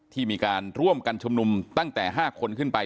ที่มีการร่วมกันชุมนุมตั้งแต่๕คนขึ้นไป